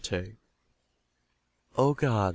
O God!